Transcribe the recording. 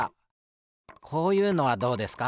こういうのはどうですか？